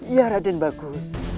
iya raden bagus